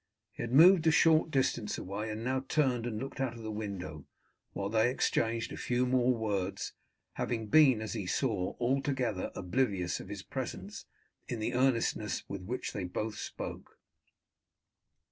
He had moved a short distance away, and now turned and looked out of the window, while they exchanged a few more words, having been, as he saw, altogether oblivious of his presence in the earnestness with which they both spoke.